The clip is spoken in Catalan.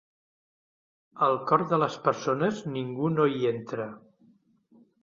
Al cor de les persones ningú no hi entra.